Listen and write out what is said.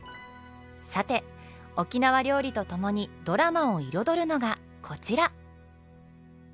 さて沖縄料理とともにドラマを彩るのがこちら！